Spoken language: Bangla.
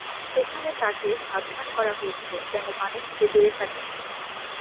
সেখানে তাঁকে সাবধান করা হয়েছে, যেন পানি থেকে দূরে থাকেন।